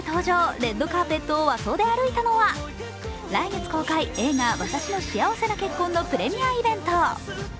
レッドカーペットを和装で歩いたのは来月公開、映画「わたしの幸せな結婚」のプレミアイベント。